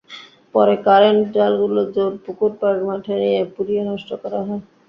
পরে কারেন্ট জালগুলো জোড় পুকুরপাড় মাঠে নিয়ে পুড়িয়ে নষ্ট করা হয়।